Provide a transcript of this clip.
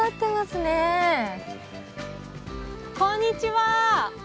はいこんにちは！